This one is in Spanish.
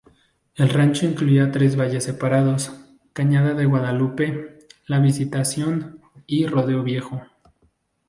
El rancho incluía tres valles separados: Cañada de Guadalupe, La Visitación, y Rodeo Viejo.